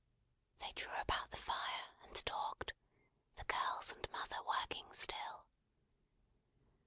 They drew about the fire, and talked; the girls and mother working still.